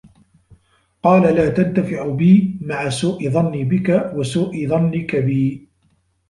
قَالَ لَا تَنْتَفِعُ بِي مَعَ سُوءِ ظَنِّي بِك وَسُوءِ ظَنِّك بِي